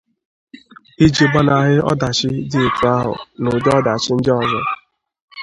iji gbanahị ọdachi dị etu ahụ na ụdị ọdachi ndị ọzọ.